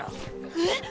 えっ！